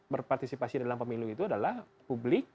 berpartisipasi dalam pemilu itu adalah publik